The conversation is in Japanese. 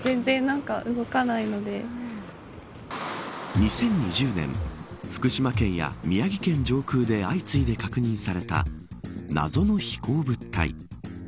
２０２０年福島県や宮城県上空で相次いで確認された謎の飛行物体。